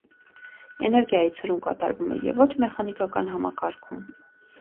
Էներգիայի ցրում կատարվում է և ոչ մեխանիկական համակարգում։